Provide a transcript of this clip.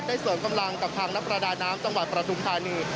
เสริมกำลังกับทางนักประดาน้ำจังหวัดประทุมธานี